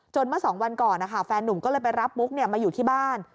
เมื่อ๒วันก่อนแฟนนุ่มก็เลยไปรับมุกมาอยู่ที่บ้าน